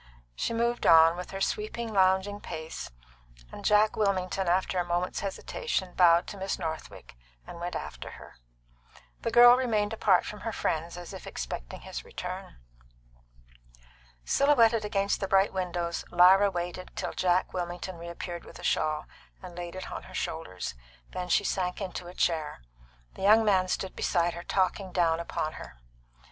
She moved on, with her sweeping, lounging pace, and Jack Wilmington, after a moment's hesitation, bowed to Miss Northwick and went after her. The girl remained apart from her friends, as if expecting his return. Silhouetted against the bright windows, Lyra waited till Jack Wilmington reappeared with a shawl and laid it on her shoulders. Then she sank into a chair. The young man stood beside her talking down upon her.